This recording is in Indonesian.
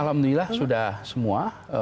alhamdulillah sudah semua